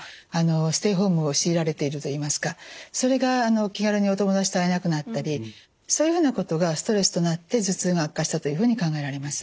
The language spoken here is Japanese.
ステイホームを強いられているといいますかそれが気軽にお友達と会えなくなったりそういうふうなことがストレスとなって頭痛が悪化したというふうに考えられます。